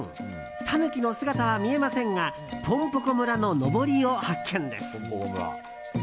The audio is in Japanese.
タヌキの姿は見えませんがぽんぽこ村の、のぼりを発見です。